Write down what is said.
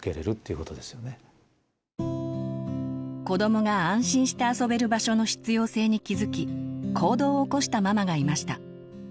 子どもが安心して遊べる場所の必要性に気づき行動を起こしたママがいました。